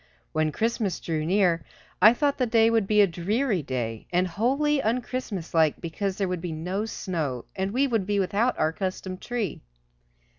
When Christmas drew near I thought the day would be a very dreary day, and wholly unChristmaslike because there would be no snow, and we would be without our accustomed tree.